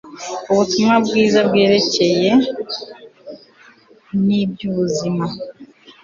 Ubutumwa bwiza bwerekeranye nibyubuzima